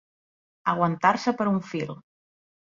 Aguantar-se per un fil.